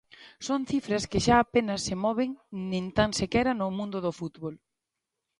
Son cifras que xa apenas se moven nin tan sequera no mundo do fútbol.